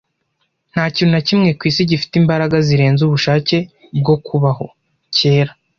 Nta kintu na kimwe ku isi gifite imbaraga zirenze ubushake bwo kubaho. (cyera)